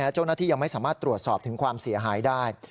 เจ้าหน้าที่ยังไม่สามารถตรวจสอบถึงความเสียหายได้